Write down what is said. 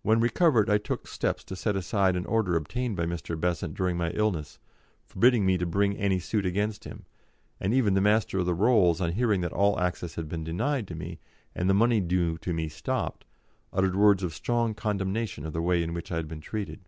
When recovered, I took steps to set aside an order obtained by Mr. Besant during my illness, forbidding me to bring any suit against him, and even the Master of the Rolls, on hearing that all access had been denied to me, and the money due to me stopped, uttered words of strong condemnation of the way in which I had been treated.